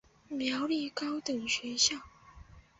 苗栗高等学校